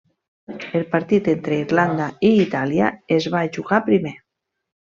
El partit entre Irlanda i Itàlia es va jugar primer.